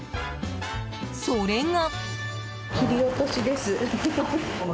それが。